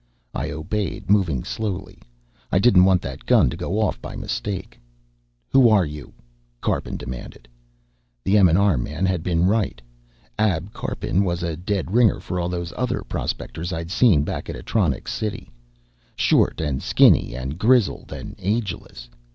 I obeyed, moving slowly. I didn't want that gun to go off by mistake. "Who are you?" Karpin demanded. The M&R man had been right. Ab Karpin was a dead ringer for all those other prospectors I'd seen back at Atronics City. Short and skinny and grizzled and ageless.